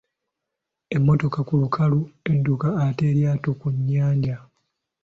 Emmotoka ku lukalu edduka ate eryato ku nnyanja?